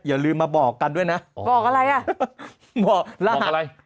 อย่าลืมมาบอกกันด้วยนะอ๋อบอกอะไรอ่ะบอกรหัสบอกรหัส